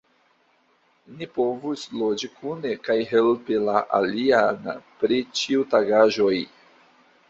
Ni povus loĝi kune kaj helpi la alian pri ĉiutagaĵoj.